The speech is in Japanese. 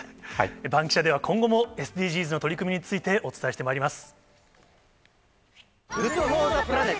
バンキシャでは今後も、ＳＤＧｓの取り組みについてお伝えしてまいります。